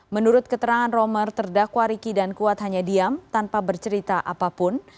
menurut keterangan romer terdakwa riki dan kuat hanya diam tanpa bercerita apapun